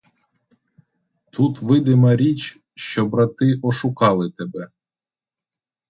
Тут видима річ, що брати ошукали тебе.